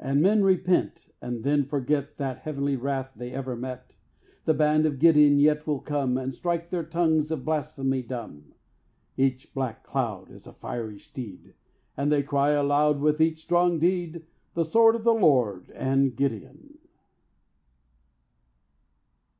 And men repent and then forget That heavenly wrath they ever met, The band of Gideon yet will come And strike their tongues of blasphemy dumb. Each black cloud Is a fiery steed. And they cry aloud With each strong deed, "The sword of the Lord and Gideon."